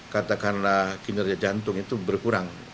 katakanlah kinerja jantung itu berkurang